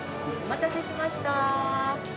お待たせしました。